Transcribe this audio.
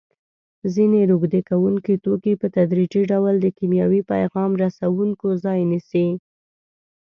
ځینې روږدې کوونکي توکي په تدریجي ډول د کیمیاوي پیغام رسوونکو ځای نیسي.